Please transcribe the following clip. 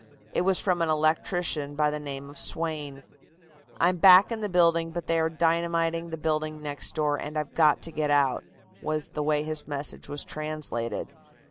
It was from an electrician by the name of Swain. "I'm back in the building, but they are dynamiting the building next door, and I've got to get out," was the way his message was translated.